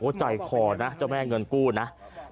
ใจคอนะเจ้าแม่เงินกู้นะ